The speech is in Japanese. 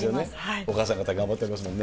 お母さん方、頑張ってますもんね。